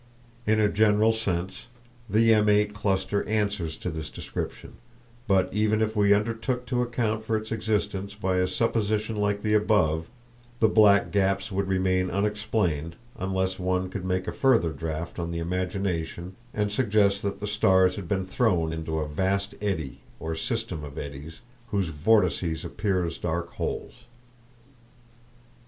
In a general sense the M8 cluster answers to this description, but even if we undertook to account for its existence by a supposition like the above, the black gaps would remain unexplained, unless one could make a further draft on the imagination and suggest that the stars had been thrown into a vast eddy, or system of eddies, whose vortices appear as dark holes.